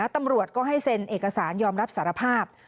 ตำรวจก็ให้เซ็นเอกสารยอมรับสารภาพ